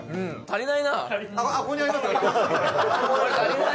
足りないわ！